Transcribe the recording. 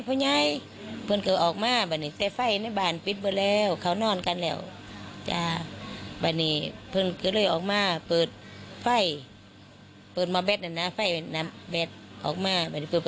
แต่เต็็ดฝ่ายและบาลแล้วหมดเมื่อกานเพิ่ออกมาซักนิด